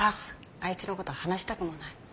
あいつの事話したくもない。